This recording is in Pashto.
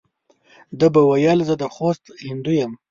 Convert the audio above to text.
ده به ویل زه د خوست هندو یم.